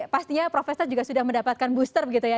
pastinya profesor juga sudah mendapatkan booster gitu ya